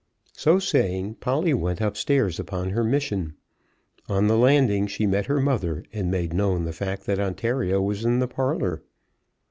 So saying, Polly went up stairs upon her mission. On the landing she met her mother, and made known the fact that Ontario was in the parlour.